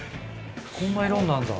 こんな色になるんだ。